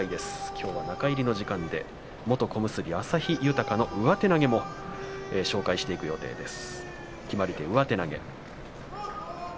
きょうは中入りの時間で元小結旭豊の上手投げについてご紹介していく予定です。